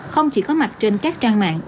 không chỉ có mặt trên các trang mạng